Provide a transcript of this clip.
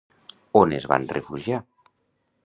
On es van refugiar?